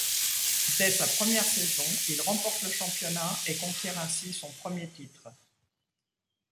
Dès sa première saison, il remporte le championnat et conquiert ainsi son premier titre.